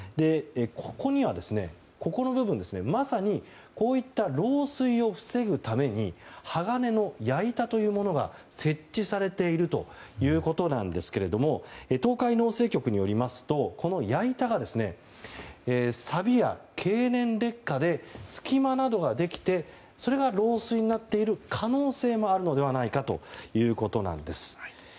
ここには、まさにこういった漏水を防ぐために鋼の矢板というものが設置されているということですが東海農政局によりますとこの矢板がさびや経年劣化で隙間などができてそれが漏水になっている可能性もあるのではないかということなんです。